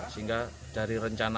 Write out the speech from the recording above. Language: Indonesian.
sehingga dari rakyatnya